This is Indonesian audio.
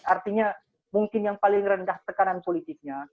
artinya mungkin yang paling rendah tekanan politiknya